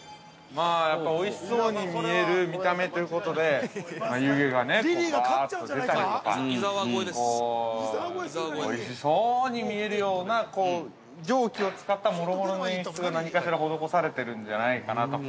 ◆やっぱり、おいしそうに見える見た目ということで湯気がね、ぶわっと出たりとかおいしそに見えるような蒸気を使ったもろもろの演出が何かしら施されているんじゃないかなと。